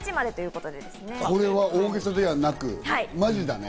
これは大げさではなくマジだね。